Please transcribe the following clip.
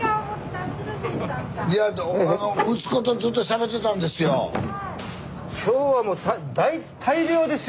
いや息子とずっとしゃべってたんですよ。